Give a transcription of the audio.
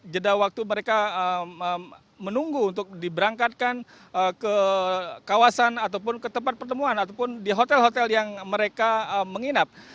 jeda waktu mereka menunggu untuk diberangkatkan ke kawasan ataupun ke tempat pertemuan ataupun di hotel hotel yang mereka menginap